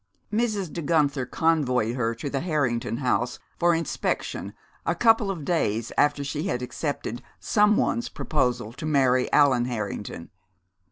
Mrs. De Guenther convoyed her to the Harrington house for inspection a couple of days after she had accepted some one's proposal to marry Allan Harrington.